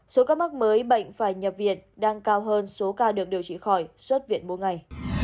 số ca mắc mới bệnh phải nhập viện đang cao hơn số ca được điều trị khỏi xuất viện mỗi ngày